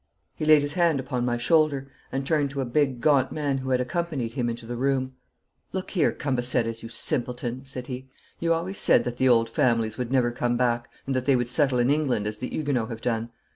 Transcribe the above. He laid his hand upon my shoulder and turned to a big, gaunt man who had accompanied him into the room. 'Look here, Cambaceres, you simpleton,' said he. 'You always said that the old families would never come back, and that they would settle in England as the Huguenots have done.